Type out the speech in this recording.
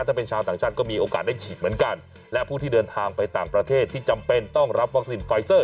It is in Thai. ถ้าเป็นชาวต่างชาติก็มีโอกาสได้ฉีดเหมือนกันและผู้ที่เดินทางไปต่างประเทศที่จำเป็นต้องรับวัคซีนไฟเซอร์